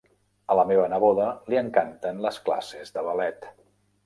A la meva neboda li encanten les classes de ballet